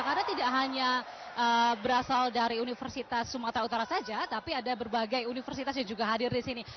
karena tidak hanya berasal dari universitas sumatera utara saja tapi ada berbagai universitas yang juga hadir di sini